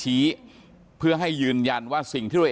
ทีมข่าวเราก็พยายามสอบถามความคืบหน้าเรื่องการสอบปากคำในแหบนะครับ